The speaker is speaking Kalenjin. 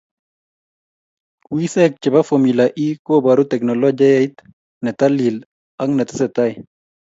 Wiseek che be Formula E koboruu teknolijait ne talil ak netesetai.